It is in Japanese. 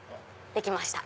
できました。